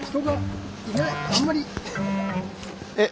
えっ？